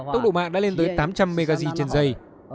tốc độ mạng đã lên tới tám trăm linh mg trên giây